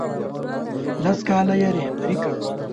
لس کاله یې رهبري کړ.